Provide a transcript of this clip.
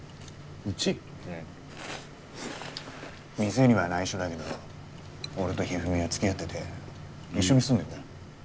店にはないしょだけど俺とひふみはつきあってて一緒に住んでんだよ。